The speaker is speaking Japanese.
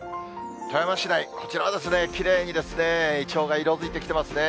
富山市内、こちらはきれいにいちょうが色づいてきてますね。